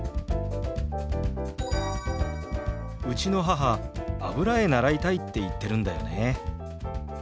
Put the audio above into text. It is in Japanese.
うちの母油絵習いたいって言ってるんだよね。